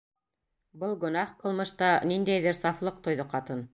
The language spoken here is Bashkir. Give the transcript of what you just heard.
Был гонаһ ҡылмышта ниндәйҙер сафлыҡ тойҙо ҡатын.